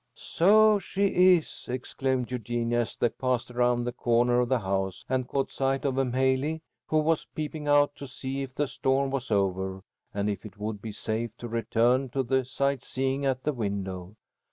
"So she is!" exclaimed Eugenia, as they passed around the corner of the house and caught sight of M'haley, who was peeping out to see if the storm was over, and if it would be safe to return to the sightseeing at the window.